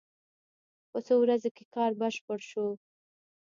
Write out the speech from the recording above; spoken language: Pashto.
په څو ورځو کې کار بشپړ شو.